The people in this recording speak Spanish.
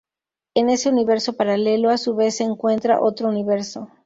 En ese universo paralelo, a su vez se encuentra otro universo.